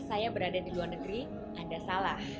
saya berada di luar negeri anda salah